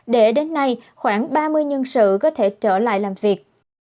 để đến nay khoảng ba mươi nhân sự có thể trở lại làm việc